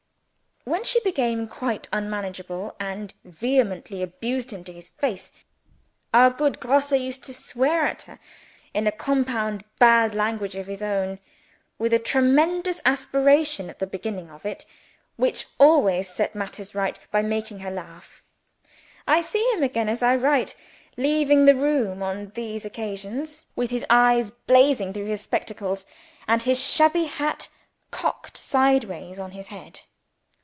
When she became quite unmanageable, and vehemently abused him to his face, our good Grosse used to swear at her, in a compound bad language of his own, with a tremendous aspiration at the beginning of it, which always set matters right by making her laugh. I see him again as I write, leaving the room on these occasions, with his eyes blazing through his spectacles, and his shabby hat cocked sideways on his head.